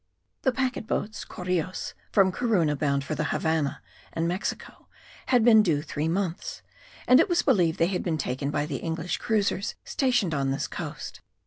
The packet boats (correos) from Corunna bound for the Havannah and Mexico had been due three months; and it was believed they had been taken by the English cruisers stationed on this coast.